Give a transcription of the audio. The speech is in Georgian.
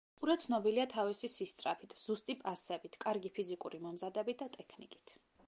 ტურე ცნობილია თავისი სისწრაფით, ზუსტი პასებით, კარგი ფიზიკური მომზადებით და ტექნიკით.